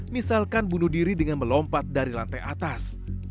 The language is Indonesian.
misalkan bunuh diri dengan melompat dari lantai atas